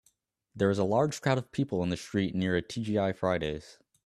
There is a large crowd of people in the street near a TGI Fridays